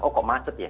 oh kok macet ya